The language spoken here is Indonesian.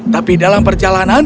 tapi dalam perjalanan